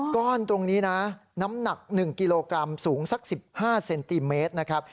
ตรงนี้นะน้ำหนัก๑กิโลกรัมสูงสัก๑๕เซนติเมตรนะครับ